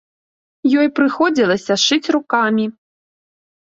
Ёй прыходзілася шыць рукамі.